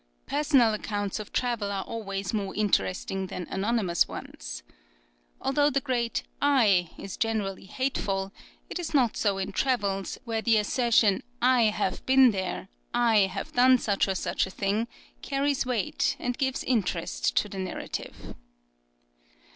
Personal accounts of travel are always more interesting than anonymous ones. Although the great I is generally hateful, it is not so in travels, where the assertion I have been there, I have done such or such a thing, carries weight, and gives interest to the narrative.